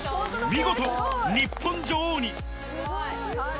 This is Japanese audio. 見事、日本女王に！